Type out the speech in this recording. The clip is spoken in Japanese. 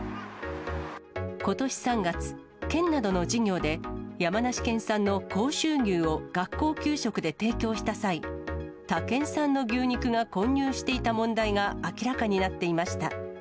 ことし３月、県などの事業で、山梨県産の甲州牛を学校給食で提供した際、他県産の牛肉が混入していた問題が明らかになっていました。